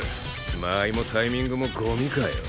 間合いもタイミングもゴミかよ。